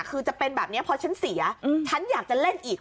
คือจะเป็นแบบนี้พอฉันเสียฉันอยากจะเล่นอีก